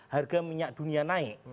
harga minyak dunia naik